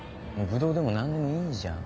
ぶどうでも何でもいいじゃん。